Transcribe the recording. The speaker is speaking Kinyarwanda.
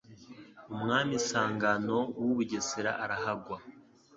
umwami Sangano w'u Bugesera arahagwa.